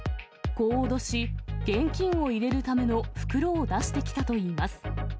こう脅し、現金を入れるための袋を出してきたといいます。